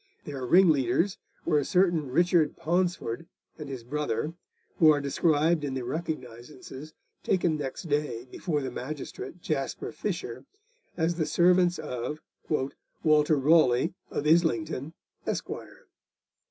Their ringleaders were a certain Richard Paunsford and his brother, who are described in the recognisances taken next day before the magistrate Jasper Fisher as the servants of 'Walter Rawley, of Islington, Esq.